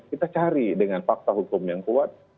kita cari dengan fakta hukum yang kuat